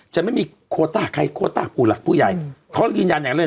จะไม่มีโควอต้าใครโควอต้ากูละผู้ใหญ่เขายืนยันอย่างนั้นด้วยเป็น